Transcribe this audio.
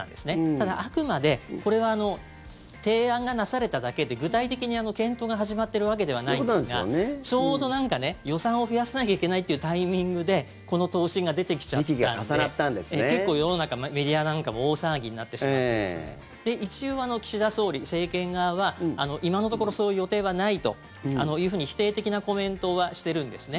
ただ、あくまでこれは提案がなされただけで具体的に検討が始まっているわけではないですがちょうど予算を増やさなきゃいけないっていうタイミングでこの答申が出てきちゃったんで結構、世の中メディアなんかも大騒ぎになってしまって一応、岸田総理、政権側は今のところそういう予定はないというふうに否定的なコメントはしてるんですね。